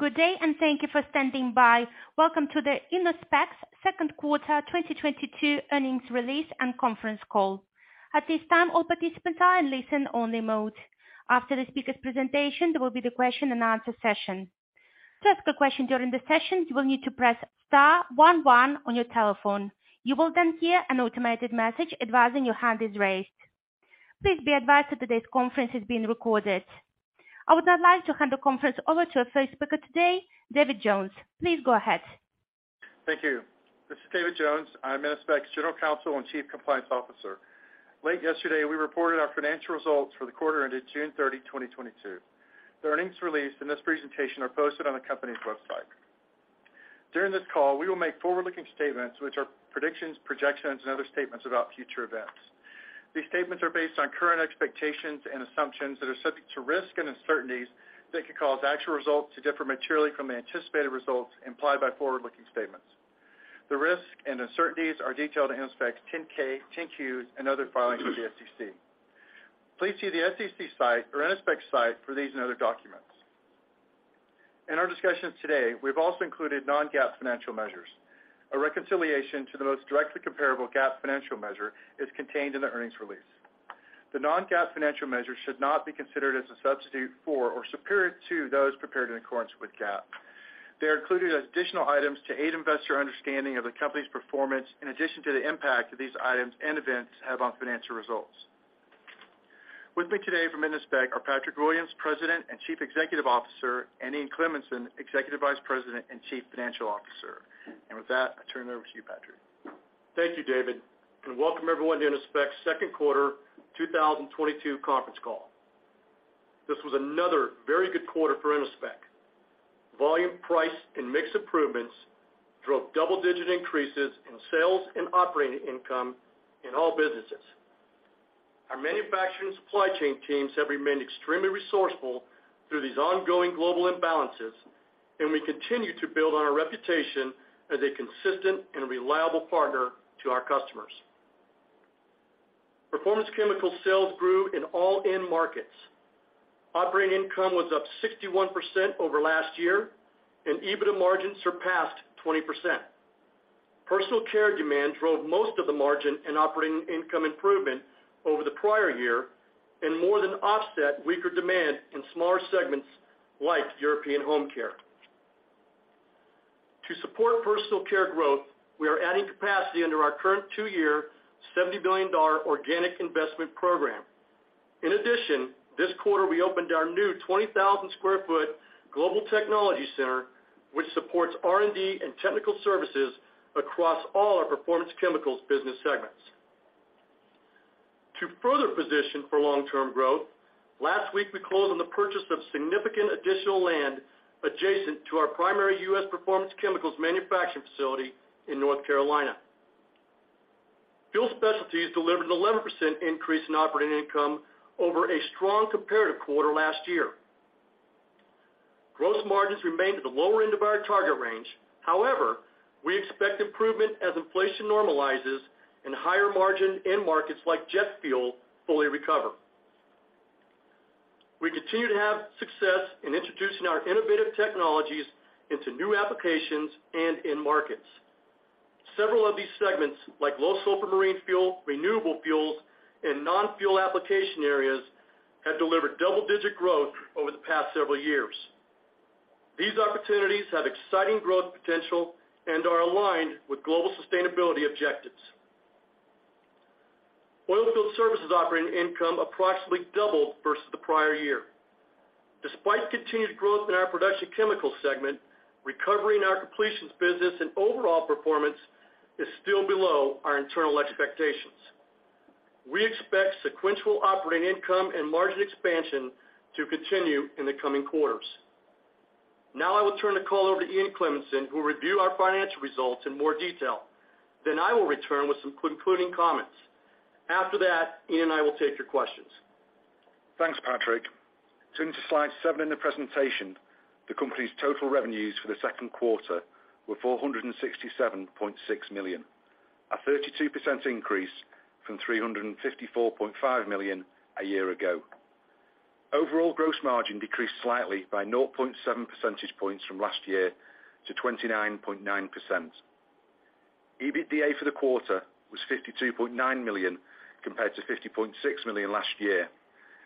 Good day, and thank you for standing by. Welcome to Innospec's Second Quarter 2022 Earnings Release and Conference Call. At this time, all participants are in listen-only mode. After the speaker's presentation, there will be the question-and-answer session. To ask a question during the session, you will need to press star one one on your telephone. You will then hear an automated message advising your hand is raised. Please be advised that today's conference is being recorded. I would now like to hand the conference over to our first speaker today, David Jones. Please go ahead. Thank you. This is David Jones. I'm Innospec's General Counsel and Chief Compliance Officer. Late yesterday, we reported our financial results for the quarter ended June 30, 2022. The earnings released in this presentation are posted on the company's website. During this call, we will make forward-looking statements which are predictions, projections and other statements about future events. These statements are based on current expectations and assumptions that are subject to risks and uncertainties that could cause actual results to differ materially from the anticipated results implied by forward-looking statements. The risks and uncertainties are detailed in Innospec's Form 10-K, Form 10-Qs, and other filings with the SEC. Please see the SEC site or Innospec's site for these and other documents. In our discussions today, we've also included non-GAAP financial measures. A reconciliation to the most directly comparable GAAP financial measure is contained in the earnings release. The non-GAAP financial measures should not be considered as a substitute for, or superior to those prepared in accordance with GAAP. They're included as additional items to aid investor understanding of the company's performance, in addition to the impact that these items and events have on financial results. With me today from Innospec are Patrick Williams, President and Chief Executive Officer, and Ian Cleminson, Executive Vice President and Chief Financial Officer. With that, I turn it over to you, Patrick. Thank you, David, and welcome everyone to Innospec's second quarter 2022 conference call. This was another very good quarter for Innospec. Volume, price and mix improvements drove double-digit increases in sales and operating income in all businesses. Our manufacturing supply chain teams have remained extremely resourceful through these ongoing global imbalances, and we continue to build on our reputation as a consistent and reliable partner to our customers. Performance Chemicals sales grew in all end markets. Operating income was up 61% over last year, and EBITDA margin surpassed 20%. Personal Care demand drove most of the margin and operating income improvement over the prior year and more than offset weaker demand in smaller segments like European Home Care. To support Personal Care growth, we are adding capacity under our current two-year $70 million organic investment program. In addition, this quarter, we opened our new 20,000 sq ft global technology center, which supports R&D and technical services across all our Performance Chemicals business segments. To further position for long-term growth, last week we closed on the purchase of significant additional land adjacent to our primary U.S. Performance Chemicals manufacturing facility in North Carolina. Fuel Specialties delivered an 11% increase in operating income over a strong comparative quarter last year. Gross margins remained at the lower end of our target range. However, we expect improvement as inflation normalizes and higher margin end markets like jet fuel fully recover. We continue to have success in introducing our innovative technologies into new applications and end markets. Several of these segments, like low sulfur marine fuel, renewable fuels, and non-fuel application areas, have delivered double-digit growth over the past several years. These opportunities have exciting growth potential and are aligned with global sustainability objectives. Oilfield Services operating income approximately doubled versus the prior year. Despite continued growth in our Production Chemicals segment, recovery in our completions business and overall performance is still below our internal expectations. We expect sequential operating income and margin expansion to continue in the coming quarters. Now I will turn the call over to Ian Cleminson, who will review our financial results in more detail. I will return with some concluding comments. After that, Ian and I will take your questions. Thanks, Patrick. Turning to slide seven in the presentation, the company's total revenues for the second quarter were $467.6 million, a 32% increase from $354.5 million a year ago. Overall gross margin decreased slightly by 0.7 percentage points from last year to 29.9%. EBITDA for the quarter was $52.9 million compared to $50.6 million last year,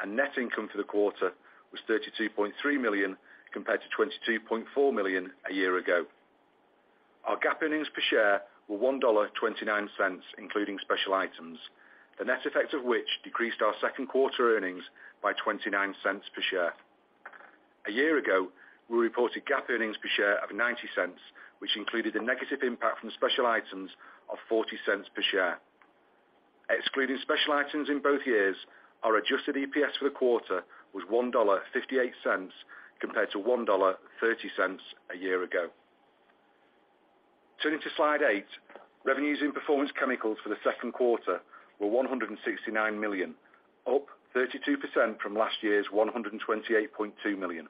and net income for the quarter was $32.3 million compared to $22.4 million a year ago. Our GAAP earnings per share were $1.29, including special items, the net effect of which decreased our second quarter earnings by $0.29 per share. A year ago, we reported GAAP earnings per share of $0.90, which included a negative impact from special items of $0.40 per share. Excluding special items in both years, our adjusted EPS for the quarter was $1.58 compared to $1.30 a year ago. Turning to slide eight, revenues in Performance Chemicals for the second quarter were $169 million, up 32% from last year's $128.2 million.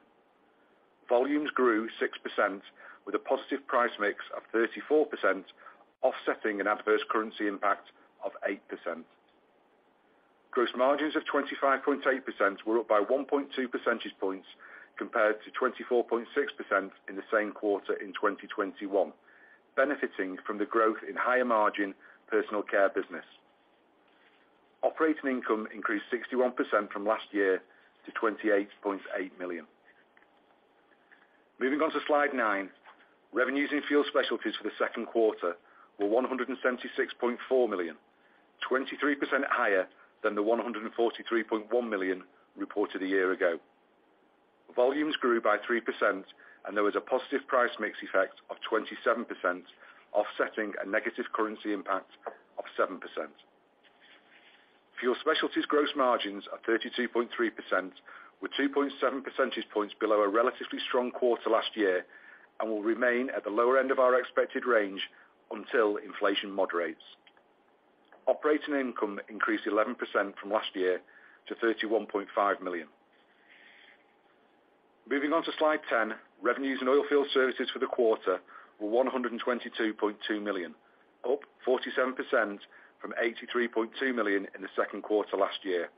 Volumes grew 6% with a positive price mix of 34%, offsetting an adverse currency impact of 8%. Gross margins of 25.8% were up by 1.2 percentage points compared to 24.6% in the same quarter in 2021, benefiting from the growth in higher margin Personal Care business. Operating income increased 61% from last year to $28.8 million. Moving on to slide nine. Revenues in Fuel Specialties for the second quarter were $176.4 million, 23% higher than the $143.1 million reported a year ago. Volumes grew by 3%, and there was a positive price mix effect of 27%, offsetting a negative currency impact of 7%. Fuel Specialties gross margins are 32.3%, with 2.7 percentage points below a relatively strong quarter last year and will remain at the lower end of our expected range until inflation moderates. Operating income increased 11% from last year to $31.5 million. Moving on to slide 10. Revenues in Oilfield Services for the quarter were $122.2 million, up 47% from $83.2 million in the second quarter last year.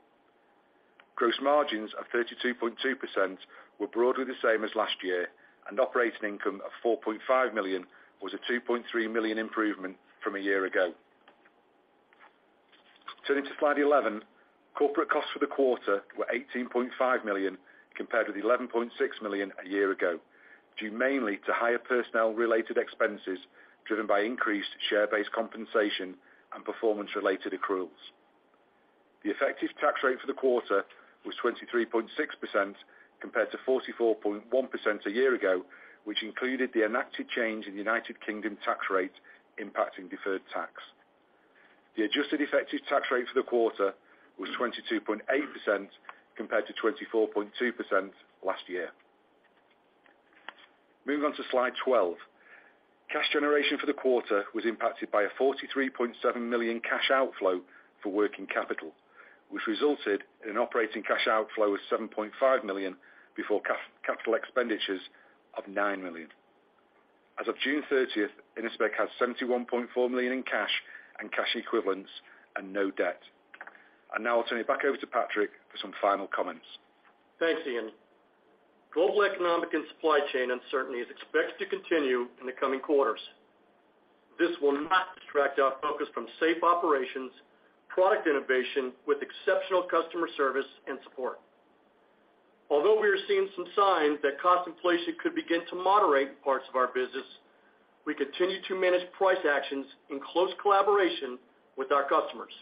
Gross margins of 32.2% were broadly the same as last year, and operating income of $4.5 million was a $2.3 million improvement from a year ago. Turning to slide 11. Corporate costs for the quarter were $18.5 million compared with $11.6 million a year ago, due mainly to higher personnel related expenses driven by increased share-based compensation and performance-related accruals. The effective tax rate for the quarter was 23.6% compared to 44.1% a year ago, which included the enacted change in United Kingdom tax rate impacting deferred tax. The adjusted effective tax rate for the quarter was 22.8% compared to 24.2% last year. Moving on to slide 12. Cash generation for the quarter was impacted by a $43.7 million cash outflow for working capital, which resulted in an operating cash outflow of $7.5 million before capital expenditures of $9 million. As of June 30th, Innospec has $71.4 million in cash and cash equivalents and no debt. Now I'll turn it back over to Patrick for some final comments. Thanks, Ian. Global economic and supply chain uncertainty is expected to continue in the coming quarters. This will not distract our focus from safe operations, product innovation with exceptional customer service and support. Although we are seeing some signs that cost inflation could begin to moderate parts of our business, we continue to manage price actions in close collaboration with our customers.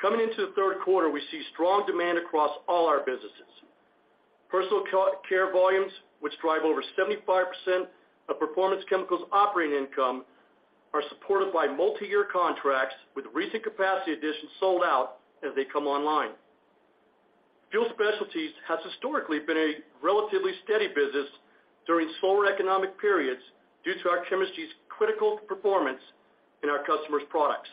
Coming into the third quarter, we see strong demand across all our businesses. Personal Care volumes, which drive over 75% of Performance Chemicals operating income, are supported by multiyear contracts with recent capacity additions sold out as they come online. Fuel Specialties has historically been a relatively steady business during slower economic periods due to our chemistry's critical performance in our customers' products.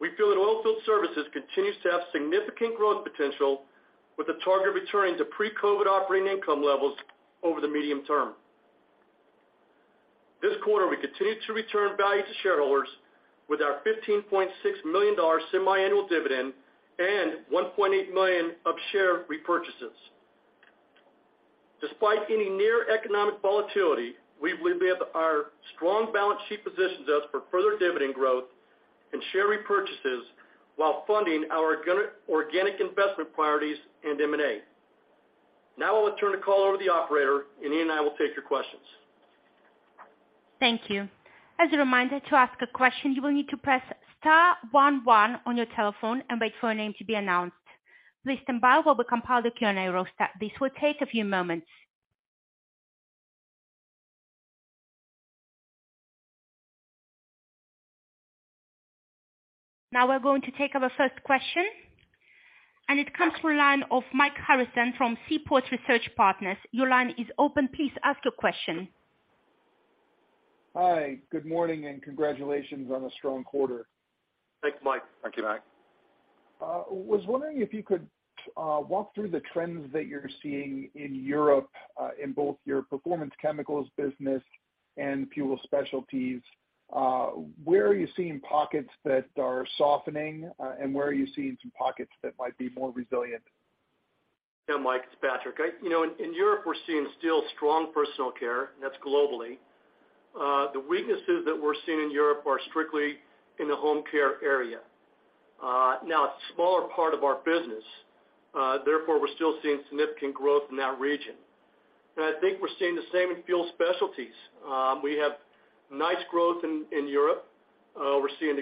We feel that Oilfield Services continues to have significant growth potential with the target returning to pre-COVID operating income levels over the medium term. This quarter, we continued to return value to shareholders with our $15.6 million semi-annual dividend and $1.8 million of share repurchases. Despite any near-term economic volatility, we believe that our strong balance sheet positions us for further dividend growth and share repurchases while funding our organic investment priorities and M&A. Now I'll turn the call over to the operator, and Ian and I will take your questions. Thank you. As a reminder, to ask a question, you will need to press star one one on your telephone and wait for your name to be announced. Please stand by while we compile the Q&A roster. This will take a few moments. Now we're going to take our first question. It comes from the line of Mike Harrison from Seaport Research Partners. Your line is open. Please ask your question. Hi, good morning, and congratulations on a strong quarter. Thanks, Mike. Thank you, Mike. I was wondering if you could walk through the trends that you're seeing in Europe in both your Performance Chemicals business and Fuel Specialties. Where are you seeing pockets that are softening, and where are you seeing some pockets that might be more resilient? Yeah, Mike, it's Patrick. You know, in Europe, we're seeing still strong Personal Care, and that's globally. The weaknesses that we're seeing in Europe are strictly in the Home Care area. Now it's a smaller part of our business, therefore, we're still seeing significant growth in that region. I think we're seeing the same in Fuel Specialties. We have nice growth in Europe. We're seeing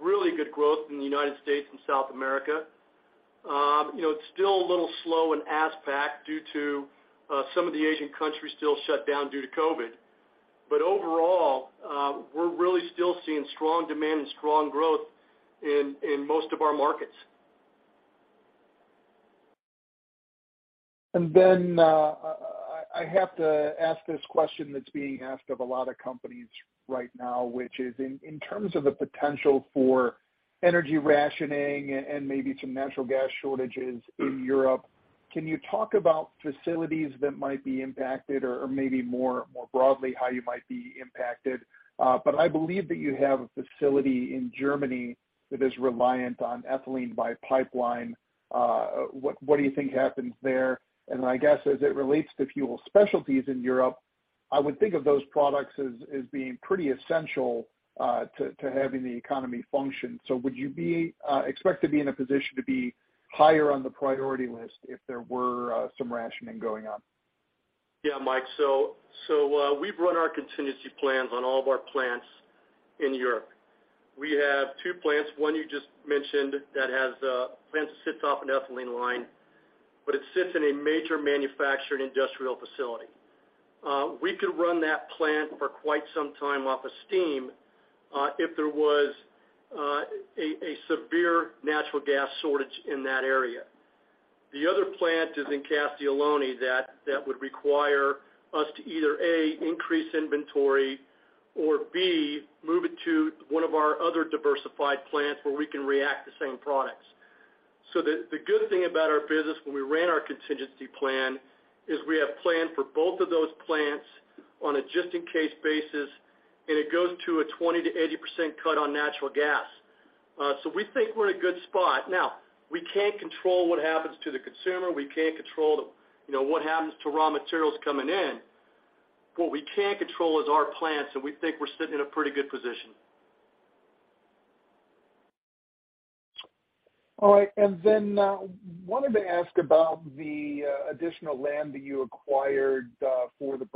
really good growth in the United States and South America. You know, it's still a little slow in ASPAC due to some of the Asian countries still shut down due to COVID. Overall, we're really still seeing strong demand and strong growth in most of our markets. I have to ask this question that's being asked of a lot of companies right now, which is in terms of the potential for energy rationing and maybe some natural gas shortages in Europe. Can you talk about facilities that might be impacted or maybe more broadly, how you might be impacted? I believe that you have a facility in Germany that is reliant on ethylene by pipeline. What do you think happens there? I guess as it relates to Fuel Specialties in Europe, I would think of those products as being pretty essential to having the economy function. Would you expect to be in a position to be higher on the priority list if there were some rationing going on? Yeah, Mike. We've run our contingency plans on all of our plants in Europe. We have two plants, one you just mentioned that has a plant that sits off an ethylene line, but it sits in a major manufacturing industrial facility. We could run that plant for quite some time off of steam if there was a severe natural gas shortage in that area. The other plant is in Castiglione, that would require us to either, A, increase inventory, or B, move it to one of our other diversified plants where we can react the same products. The good thing about our business when we ran our contingency plan is we have planned for both of those plants on a just in case basis, and it goes to a 20%-80% cut on natural gas. We think we're in a good spot. Now, we can't control what happens to the consumer. We can't control, you know, what happens to raw materials coming in. What we can control is our plants, and we think we're sitting in a pretty good position. All right. Wanted to ask about the additional land that you acquired for the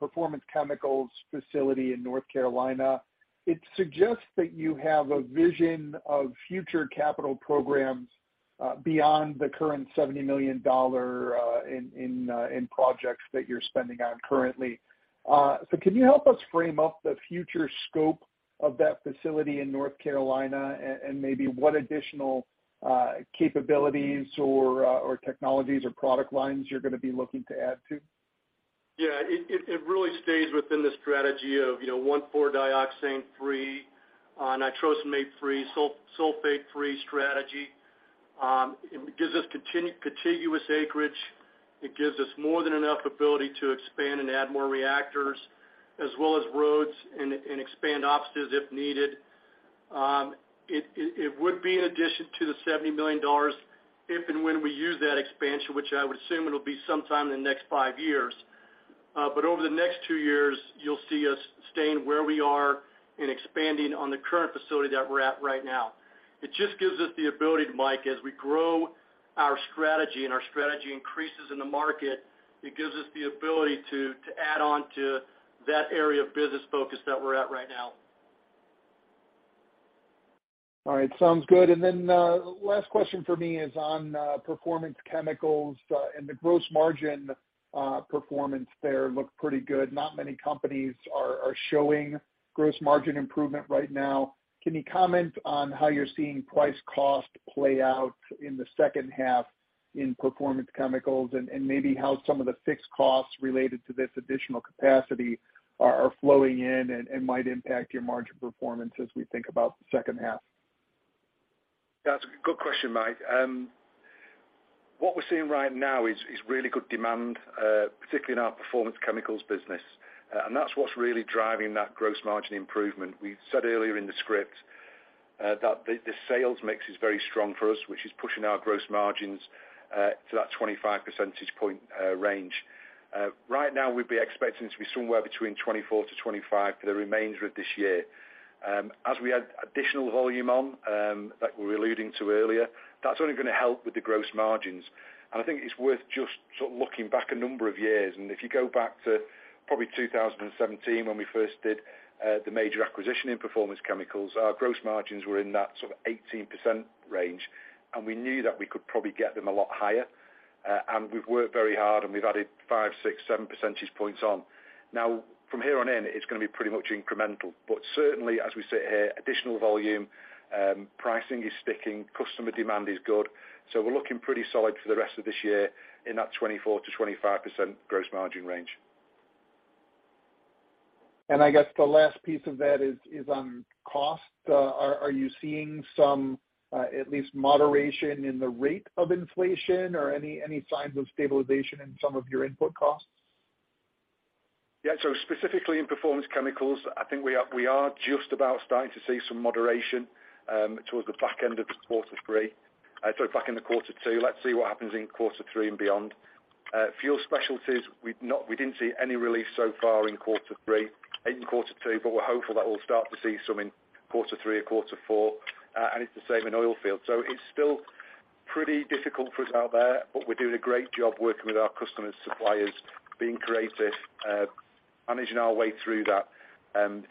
Performance Chemicals facility in North Carolina. It suggests that you have a vision of future capital programs beyond the current $70 million in projects that you're spending on currently. Can you help us frame up the future scope of that facility in North Carolina and maybe what additional capabilities or technologies or product lines you're gonna be looking to add to? Yeah. It really stays within the strategy of, you know, 1,4-dioxane free, nitrosamine free, sulfate-free strategy. It gives us contiguous acreage. It gives us more than enough ability to expand and add more reactors, as well as roads and expand offices if needed. It would be in addition to the $70 million if and when we use that expansion, which I would assume it'll be sometime in the next five years. Over the next two years, you'll see us staying where we are and expanding on the current facility that we're at right now. It just gives us the ability, Mike, as we grow our strategy and our strategy increases in the market, it gives us the ability to add on to that area of business focus that we're at right now. All right. Sounds good. Last question for me is on Performance Chemicals and the gross margin performance there looked pretty good. Not many companies are showing gross margin improvement right now. Can you comment on how you're seeing price cost play out in the second half in Performance Chemicals and maybe how some of the fixed costs related to this additional capacity are flowing in and might impact your margin performance as we think about the second half? That's a good question, Mike. What we're seeing right now is really good demand, particularly in our Performance Chemicals business. And that's what's really driving that gross margin improvement. We said earlier in the script, that the sales mix is very strong for us, which is pushing our gross margins to that 25 percentage point range. Right now we'd be expecting it to be somewhere between 24%-25% for the remainder of this year. As we add additional volume on, that we were alluding to earlier, that's only gonna help with the gross margins. I think it's worth just sort of looking back a number of years. If you go back to probably 2017 when we first did the major acquisition in Performance Chemicals, our gross margins were in that sort of 18% range, and we knew that we could probably get them a lot higher. We've worked very hard, and we've added 5, 6, 7 percentage points on. Now, from here on in, it's gonna be pretty much incremental. Certainly as we sit here, additional volume, pricing is sticking, customer demand is good, so we're looking pretty solid for the rest of this year in that 24%-25% gross margin range. I guess the last piece of that is on cost. Are you seeing some at least moderation in the rate of inflation or any signs of stabilization in some of your input costs? Yeah. Specifically in Performance Chemicals, I think we are just about starting to see some moderation towards the back end of quarter two. Let's see what happens in quarter three and beyond. Fuel Specialties, we didn't see any relief so far in quarter two, but we're hopeful that we'll start to see some in quarter three or quarter four. It's the same in Oilfield Services. It's still pretty difficult for us out there, but we're doing a great job working with our customers, suppliers, being creative, managing our way through that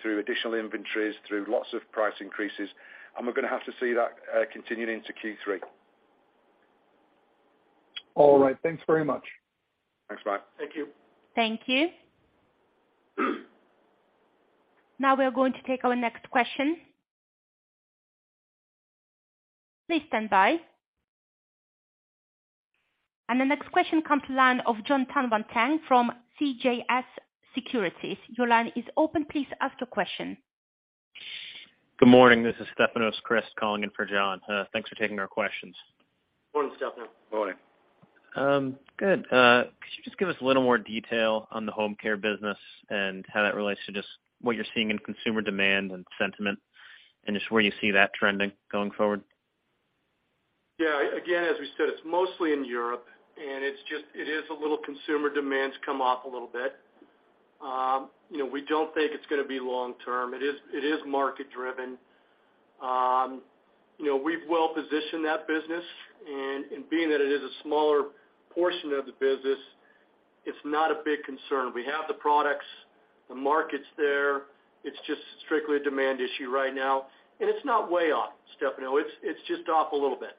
through additional inventories, through lots of price increases, and we're gonna have to see that continuing into Q3. All right. Thanks very much. Thanks, Mike. Thank you. Thank you. Now we're going to take our next question. Please stand by. The next question comes from the line of Jon Tanwanteng from CJS Securities. Your line is open. Please ask your question. Good morning. This is Stefanos Crist calling in for Jon. Thanks for taking our questions. Morning, Stefanos. Morning. Good. Could you just give us a little more detail on the Home Care business and how that relates to just what you're seeing in consumer demand and sentiment and just where you see that trending going forward? Yeah. Again, as we said, it's mostly in Europe, and it is a little consumer demand's come off a little bit. You know, we don't think it's gonna be long term. It is market driven. You know, we've well positioned that business and being that it is a smaller portion of the business, it's not a big concern. We have the products, the market's there, it's just strictly a demand issue right now. It's not way off, Stefanos. It's just off a little bit.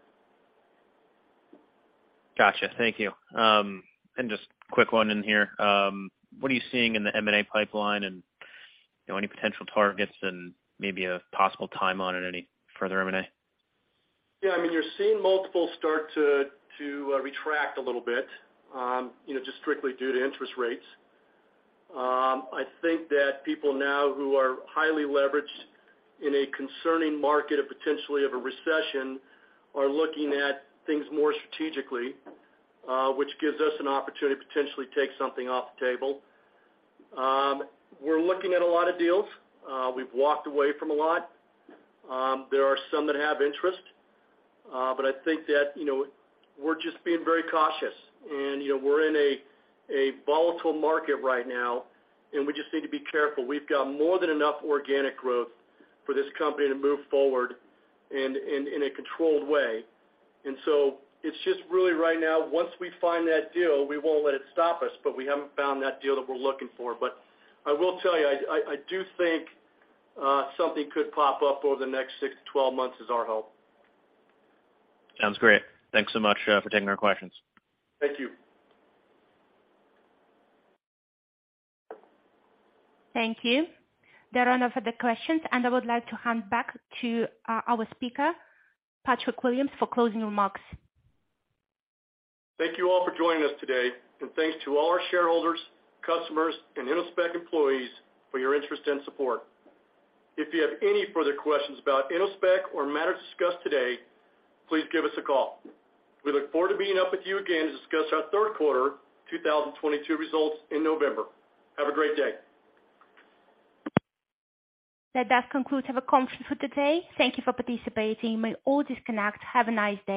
Gotcha. Thank you. Just quick one in here. What are you seeing in the M&A pipeline and, you know, any potential targets and maybe a possible timeline on any further M&A? Yeah, I mean, you're seeing multiples start to retract a little bit, you know, just strictly due to interest rates. I think that people now who are highly leveraged in a concerning market and potentially of a recession are looking at things more strategically, which gives us an opportunity to potentially take something off the table. We're looking at a lot of deals. We've walked away from a lot. There are some that have interest, but I think that, you know, we're just being very cautious and, you know, we're in a volatile market right now, and we just need to be careful. We've got more than enough organic growth for this company to move forward in a controlled way. It's just really right now, once we find that deal, we won't let it stop us, but we haven't found that deal that we're looking for. I will tell you, I do think something could pop up over the next six to 12 months is our hope. Sounds great. Thanks so much for taking our questions. Thank you. Thank you. There are no further questions, and I would like to hand back to our speaker, Patrick Williams, for closing remarks. Thank you all for joining us today. Thanks to all our shareholders, customers, and Innospec employees for your interest and support. If you have any further questions about Innospec or matters discussed today, please give us a call. We look forward to being up with you again to discuss our third quarter 2022 results in November. Have a great day. That does conclude our conference for the day. Thank you for participating. You may all disconnect. Have a nice day.